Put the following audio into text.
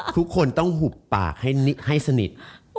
ทุกคนต้องหุบปากให้สนิท